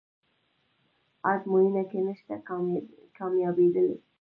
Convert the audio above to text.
ازموینه کې نشئ کامیابدلی